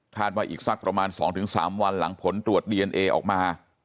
ว่าอีกสักประมาณ๒๓วันหลังผลตรวจดีเอนเอออกมา